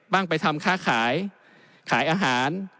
ไปทำค้าขายขายอาหาร